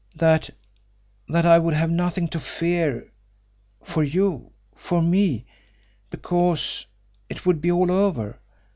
That that I would have nothing to fear for you for me because it would be all over.